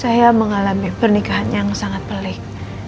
saya mengalami pernikahan yang sangat pelik